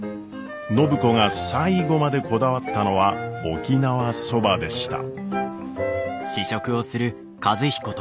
暢子が最後までこだわったのは沖縄そばでした。